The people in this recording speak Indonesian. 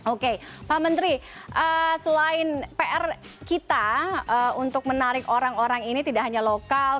oke pak menteri selain pr kita untuk menarik orang orang ini tidak hanya lokal